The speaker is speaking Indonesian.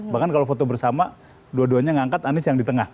bahkan kalau foto bersama dua duanya ngangkat anies yang di tengah